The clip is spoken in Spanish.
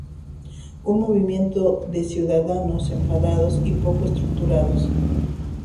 un movimiento de ciudadanos enfadados y poco estructurados